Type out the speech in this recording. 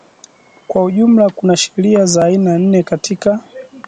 Kwa ujumla kuna sheria za aina nne katika